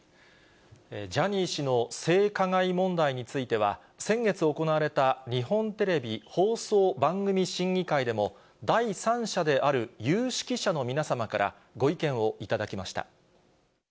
ジャニー氏の性加害問題については、先月行われた日本テレビ放送番組審議会でも、第三者である有識者の皆様から、ご意見を頂きました。